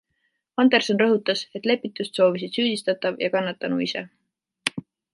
Anderson rõhutas, et lepitust soovisid süüdistatav ja kannatanu ise.